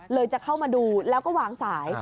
จะเข้ามาดูแล้วก็วางสาย